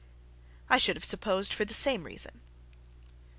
I should have supposed for the same reason.